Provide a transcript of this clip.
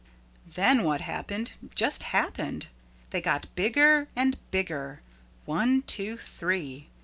Then what happened just happened. They got bigger and bigger one, two, three.